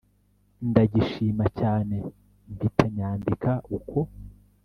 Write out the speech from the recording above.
ndagishima cyane mpita nyandika uko